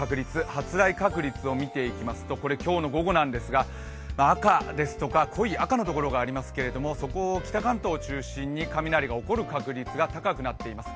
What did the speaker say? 発雷確率を見ていきますと今日の午後なんですが、赤ですとか濃い赤のところがありますがそこを北関東中心に雷が起こる確率が高くなっています。